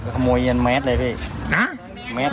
ขมวยยั้นแมดเลยเฮ้ย